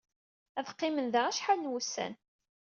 Ad qqimen da acḥal n wussan.